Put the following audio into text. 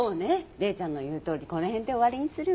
麗ちゃんの言うとおりこの辺で終わりにするわ。